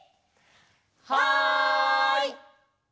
はい！